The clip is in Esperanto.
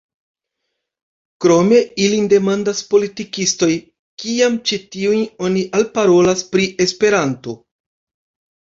Krome ilin demandas politikistoj, kiam ĉi tiujn oni alparolas pri Esperanto.